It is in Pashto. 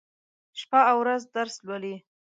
شپه او ورځ درس لولي.